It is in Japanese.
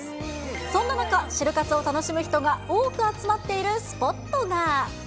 そんな中、シル活を楽しむ人が多く集まっているスポットが。